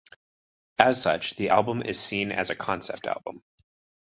As such, the album is seen as a concept album.